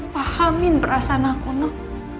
pahamin perasaan aku nek